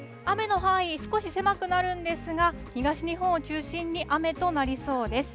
また昼過ぎを見ていくと、雨の範囲少し狭くなるんですが、東日本を中心に雨となりそうです。